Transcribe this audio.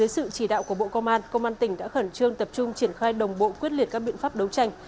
sự chỉ đạo của bộ công an công an tỉnh đã khẩn trương tập trung triển khai đồng bộ quyết liệt các biện pháp đấu tranh